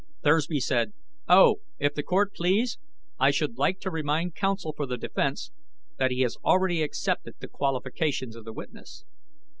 Thursby said: "Oh, if the Court please, I should like to remind counsel for the defense that he has already accepted the qualifications of the witness."